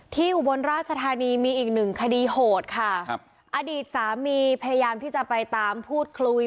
อุบลราชธานีมีอีกหนึ่งคดีโหดค่ะครับอดีตสามีพยายามที่จะไปตามพูดคุย